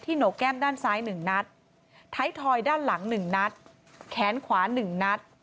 โหนกแก้มด้านซ้าย๑นัดท้ายทอยด้านหลัง๑นัดแขนขวา๑นัด